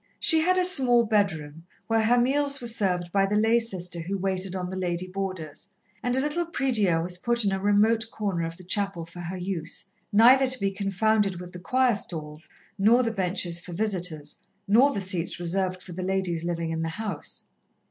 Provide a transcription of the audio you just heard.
She had a small bedroom, where her meals were served by the lay sister who waited on the lady boarders, and a little prie dieu was put in a remote corner of the chapel for her use, neither to be confounded with the choir stalls, nor the benches for visitors, nor the seats reserved for the ladies living in the house.